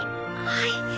はい。